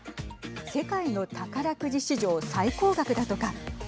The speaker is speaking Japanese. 世界の宝くじ史上最高額だとか。